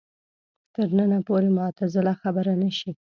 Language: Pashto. تر ننه پورې معتزله خبره نه شي